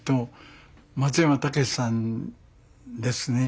松山猛さんですね。